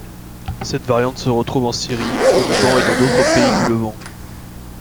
Cette variante se retrouve en Syrie, au Liban et dans d'autres pays du Levant.